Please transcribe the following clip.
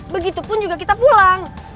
begitu pun juga kita pulang